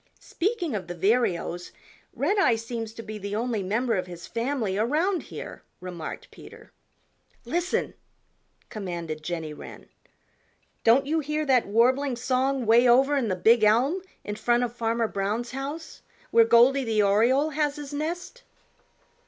"Speaking of the Vireos, Redeye seems to be the only member of his family around here," remarked Peter. "Listen!" commanded Jenny Wren. "Don't you hear that warbling song 'way over in the big elm in front of Farmer Brown's house where Goldy the oriole has his nest?"